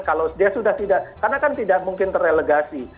karena kan tidak mungkin terelegasi